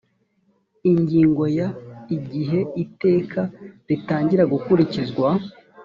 ingingo ya igihe iteka ritangira gukurikizwa